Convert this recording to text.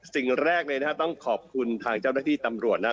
สิ่งแรกเลยนะฮะต้องขอบคุณทางเจ้าหน้าที่ตำรวจนะครับ